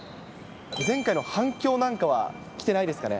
前回の反響なんかは来てないですかね。